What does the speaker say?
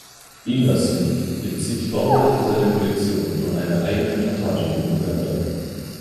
Ingwersen bezieht die Baumwolle für seine Kollektionen von seiner eigenen Plantage in Uganda.